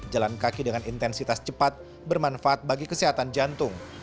jalan kaki dengan intensitas cepat bermanfaat bagi kesehatan jantung